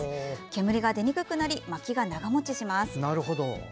煙が出にくくなりまきが長もちします。